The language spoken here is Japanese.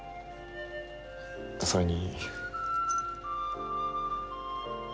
それに。